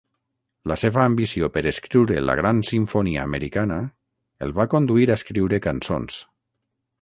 La seva ambició per escriure la "gran simfonia americana" el va conduir a escriure cançons.